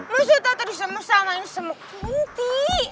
maksud tata disemusah main sama kunti